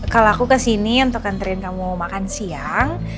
kalau aku kesini untuk nganterin kamu makan siang